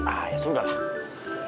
ah ya sudah lah